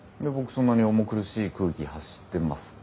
そんなに重苦しい空気発してますか？